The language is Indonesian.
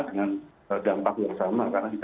dengan dampak yang sama karena kita